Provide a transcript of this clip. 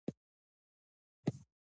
آیا سپورت د درد کمولو کې مرسته کوي؟